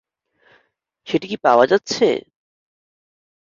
সেটি কি পাওয়া যাচ্ছে?